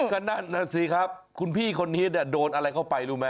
ก็นั่นน่ะสิครับคุณพี่คนนี้โดนอะไรเข้าไปรู้ไหม